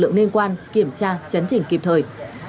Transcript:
lực lượng liên quan kiểm tra chấn chỉnh kịp thời